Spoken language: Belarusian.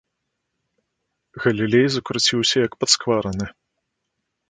Галілей закруціўся, як падсквараны.